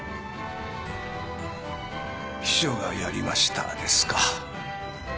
「秘書がやりました」ですか。